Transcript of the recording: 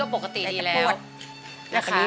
อันดับนี้เป็นแบบนี้